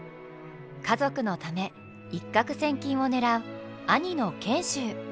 家族のため一獲千金を狙う兄の賢秀。